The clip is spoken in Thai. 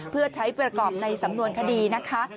เพื่อใช้ประกอบในสำนวนคดีนะคะ